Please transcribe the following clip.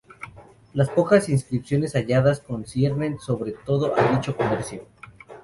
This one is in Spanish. Las pocas inscripciones halladas conciernen sobre todo a dicho comercio.